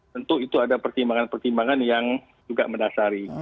tentu itu ada pertimbangan pertimbangan yang juga mendasari